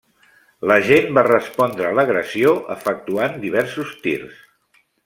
L'agent va respondre a l'agressió efectuant diversos tirs.